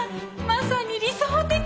まさに理想的！